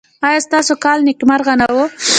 ایا ستاسو کال نیکمرغه نه و؟